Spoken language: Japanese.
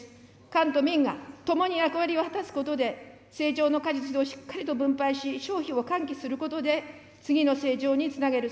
官と民がともに役割を果たすことで、成長の果実をしっかりと分配し、消費を喚起することで、次の成長につなげる。